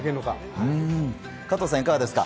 加藤さん、いかがですか？